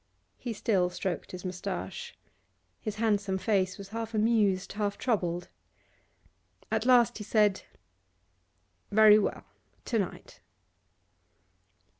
He still stroked his moustache. His handsome face was half amused, half troubled. At last he said: 'Very well; to night.